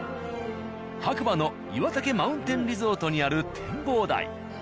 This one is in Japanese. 白馬の岩岳マウンテンリゾートにある展望台。